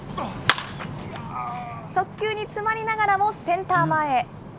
速球に詰まりながらもセンター前へ。